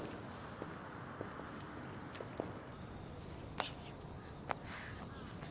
よいしょ。